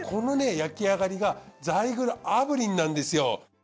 焼き上がりがザイグル炙輪なんですよ。